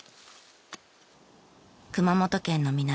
熊本県の南